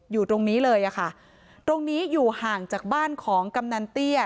อยู่ตรงนี้เลยอะค่ะตรงนี้อยู่ห่างจากบ้านของกำนันเตี้ย